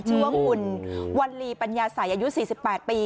ชื่อว่าคุณวัลลีปัญญาสัยอายุ๔๘ปี